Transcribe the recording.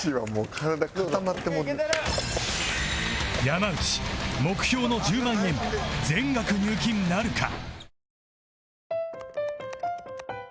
山内目標の１０万円全額入金なるか？